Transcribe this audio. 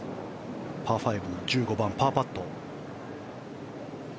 パー５の１５番、パーパット。